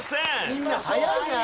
みんな早いな！